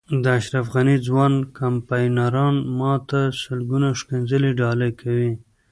د اشرف غني ځوان کمپاینران ما ته سلګونه ښکنځلې ډالۍ کوي.